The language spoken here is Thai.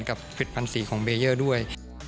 กับควิดพันธุ์สีของเบอร์เยอร์ด้วย